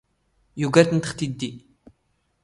ⵢⵓⴳⵔ ⵜⵏⵜ ⵖ ⵜⵉⴷⴷⵉ.